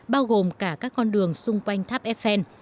bao gồm cả các con đường xung quanh tháp eiffel